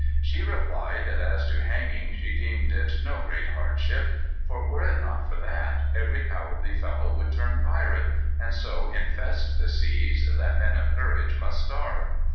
"She replied, that as to hanging, she deemed it no great hardship; for were it not for that, every cowardly fellow would turn pirate, and so infest the seas that men of courage must starve.